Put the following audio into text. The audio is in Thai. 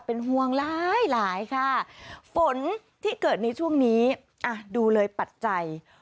เป็นห่วงหลายหลายค่ะฝนที่เกิดในช่วงนี้อ่ะดูเลยปัจจัย